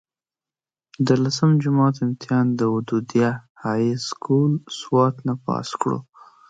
د لسم جمات امتحان د ودوديه هائي سکول سوات نه پاس کړو